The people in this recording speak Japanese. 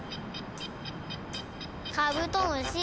カブトムシ。